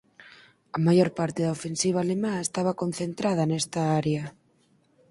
A maior parte da ofensiva alemá estaba concentrada nesta área.